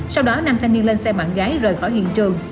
sau đó nam thanh niên lên xe bạn gái rời khỏi hiện trường